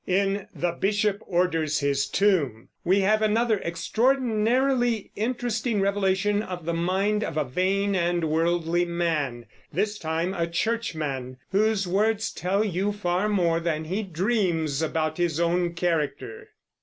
In "The Bishop Orders his Tomb" we have another extraordinarily interesting revelation of the mind of a vain and worldly man, this time a churchman, whose words tell you far more than he dreams about his own character.